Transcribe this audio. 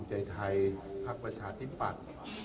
ใจไทยพักประชาธิปัตย์